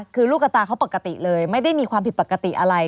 คือลูกกระตาเขาปกติเลยไม่ได้มีความผิดปกติอะไร